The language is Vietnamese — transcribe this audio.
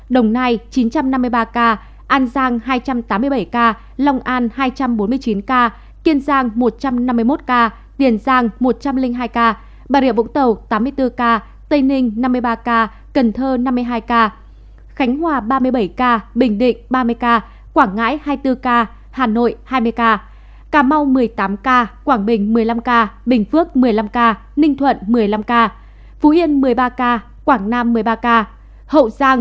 đồng nai chín trăm năm mươi ba ca an giang hai trăm tám mươi bảy ca lòng an hai trăm bốn mươi chín ca kiên giang một trăm năm mươi một ca điền giang một trăm linh hai ca bà rịa vũng tàu tám mươi bốn ca tây ninh năm mươi ba ca cần thơ năm mươi hai ca khánh hòa ba mươi bảy ca bình định ba mươi ca quảng ngãi hai mươi bốn ca hà nội hai mươi ca cà mau một mươi tám ca quảng bình một mươi năm ca bình phước một mươi năm ca ninh thuận một mươi năm ca phú yên một mươi ba ca quảng nam một mươi ba ca